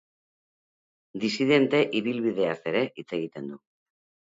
Disidente ibilbideaz ere hitz egiten du.